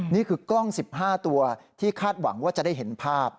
นี่คือกล้อง๑๕ตัวที่คาดหวังว่าจะได้เห็นภาพ